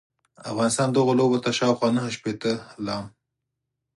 افغانستان دغو لوبو ته شاوخوا نهه شپیته ل